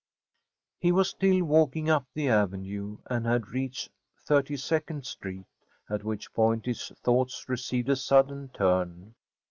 He was still walking up the Avenue, and had reached Thirty second Street, at which point his thoughts received a sudden turn.